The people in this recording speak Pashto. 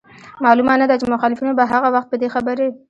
معلومه نه ده چي مخالفينو به هغه وخت په دې خبري